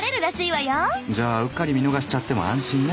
じゃあうっかり見逃しちゃっても安心ね。